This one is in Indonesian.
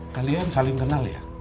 kalian saling kenal ya